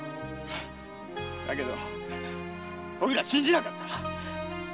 だけどおいら信じなかった。